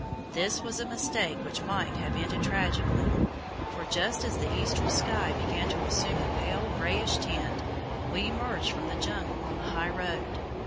This was a mistake which might have ended tragically, for just as the eastern sky began to assume a pale greyish tint, we emerged from the jungle on the high road.